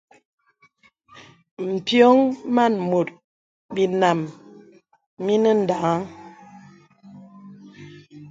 M̀pyōŋ màn mùt binām mìnə̀ daŋ̄aŋ.